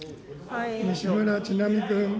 西村智奈美君。